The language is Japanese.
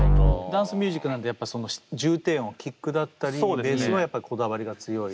ダンスミュージックなのでやっぱり重低音キックだったりベースはやっぱこだわりが強い？